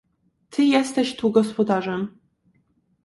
"Ty jesteś tu gospodarzem."